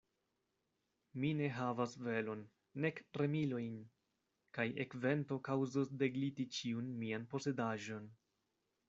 Mi ne havas velon, nek remilojn; kaj ekvento kaŭzos degliti ĉiun mian posedaĵon.